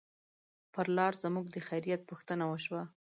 پر لار زموږ د خیریت پوښتنه وشوه.